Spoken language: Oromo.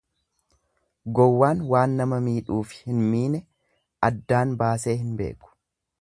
Gowwaan waan nama miidhuufi hin mine addaan baasee hin beeku.